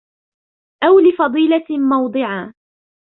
أَوْ لِفَضِيلَةٍ مَوْضِعًا